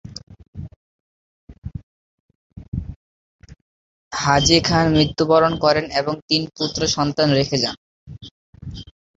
হাজী খান মৃত্যুবরণ করেন এবং তিন পুত্র সন্তান রেখে যান।